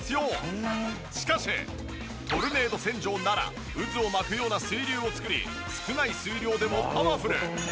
しかしトルネード洗浄なら渦を巻くような水流を作り少ない水量でもパワフル！